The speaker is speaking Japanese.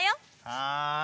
はい。